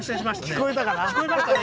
聞こえましたね